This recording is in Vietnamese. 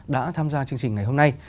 đã tham gia chương trình ngày hôm nay